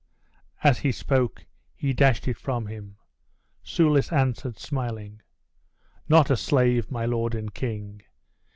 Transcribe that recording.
As he spoke he dashed it from him. Soulis answered, smiling: "Not a slave, my lord and king!